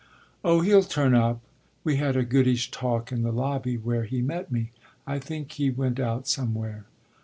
"Oh he'll turn up; we had a goodish talk in the lobby where he met me. I think he went out somewhere."